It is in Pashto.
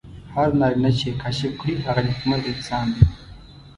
هر نارینه چې یې کشف کړي هغه نېکمرغه انسان دی.